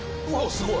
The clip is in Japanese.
すごい。